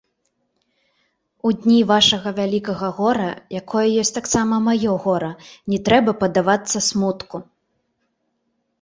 У дні вашага вялікага гора, якое ёсць таксама маё гора, не трэба паддавацца смутку.